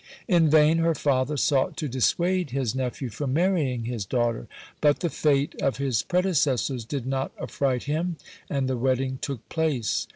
In vain her father sought to dissuade his nephew from marrying his daughter. But the fate of his predecessors did not affright him, and the wedding took place.